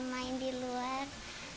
main di luar